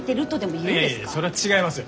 いやいやそれは違いますよ。